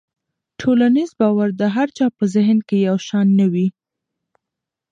ټولنیز باور د هر چا په ذهن کې یو شان نه وي.